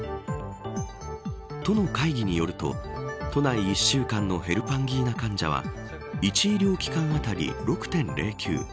都の会議によると都内１週間のヘルパンギーナ患者は１医療機関当たり、６．０９。